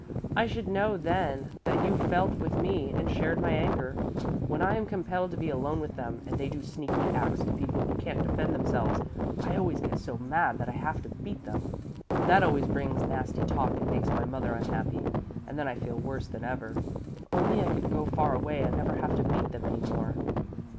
"I should know then that you felt with me and shared my anger. When I am compelled to be alone with them and they do sneaky acts to people who can't defend themselves, I always get so mad that I have to beat them. That always brings nasty talk and makes my mother unhappy, and then I feel worse than ever. If only I could go far away and never have to meet them any more!"